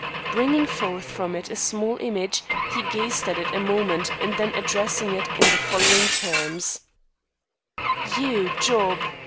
Bringing forth from it a small image, he gazed at it a moment and then addressed it in the following terms: "You, Job!